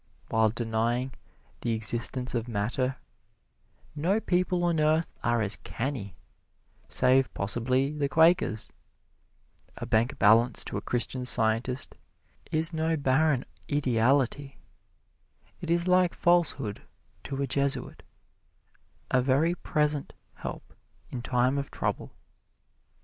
While denying the existence of matter, no people on earth are as canny, save possibly the Quakers. A bank balance to a Christian Scientist is no barren ideality. It is like falsehood to a Jesuit a very present help in time of trouble.